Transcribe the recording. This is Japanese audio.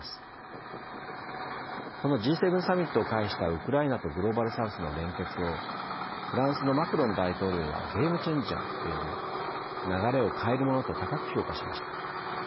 このＧ７サミットを介したウクライナとグローバル・サウスの連結をフランスのマクロン大統領はゲーム・チェンジャーと呼び流れを変えるものと高く評価しました。